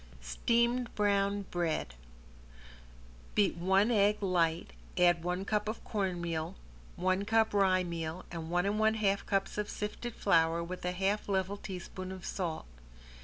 ~STEAMED BROWN BREAD~ Beat one egg light, add one cup of cornmeal, one cup rye meal and one and one half cups of flour sifted with a half level teaspoon of salt.